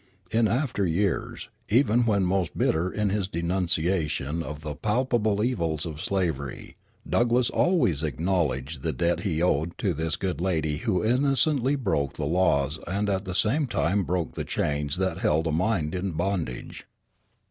In after years, even when most bitter in his denunciation of the palpable evils of slavery, Douglass always acknowledged the debt he owed to this good lady who innocently broke the laws and at the same time broke the chains that held a mind in bondage.